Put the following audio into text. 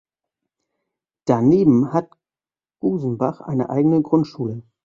Daneben hat Gosenbach eine eigene Grundschule.